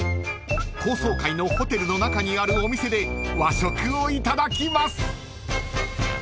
［高層階のホテルの中にあるお店で和食をいただきます］